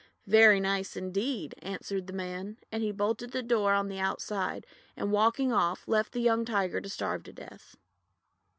'Very nice indeed," answered the Man — and he bolted the door on the outside, and walking off, left the young Tiger to starve to death.